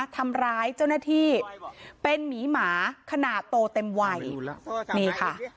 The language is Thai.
ทำร้ายเจ้าหน้าที่เป็นหมีหมาขนาดโตเต็มวัยนี่ค่ะ